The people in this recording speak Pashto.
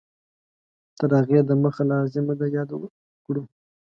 تر هغې د مخه لازمه ده یاده کړو